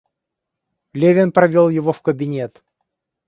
Левин провел его в кабинет.